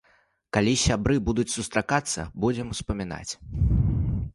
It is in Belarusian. Калі сябры будуць сустракацца, будзем успамінаць.